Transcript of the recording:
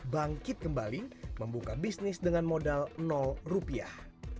bangkit kembali membuka bisnis dengan modal rupiah